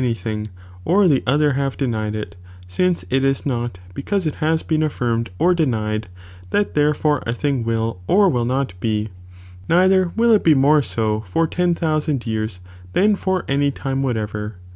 aj thing, or the other liave denied it, ainca it is not, because it baa been affirmed or denied, that therefora a thing will or will not be, neither will it be more so for ten thoasand years than for any time whatever.